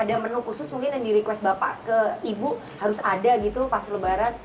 ada menu khusus mungkin yang di request bapak ke ibu harus ada gitu pas lebaran